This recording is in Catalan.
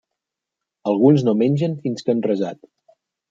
Alguns no mengen fins que han resat.